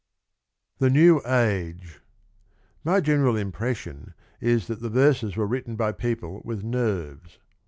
THE NEW AGE. My general impression is that the verses were written by people with nerves.